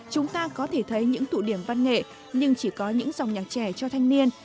chúng ta có thể thấy những tụ điểm văn nghệ nhưng chỉ có những dòng nhạc trẻ cho thanh niên